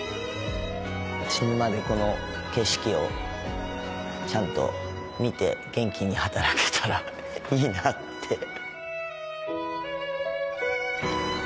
死ぬまでこの景色をちゃんと見て元気に働けたらいいなあって。